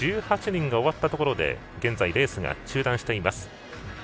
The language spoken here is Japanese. １８人が終わったところで現在、レースが中断しています。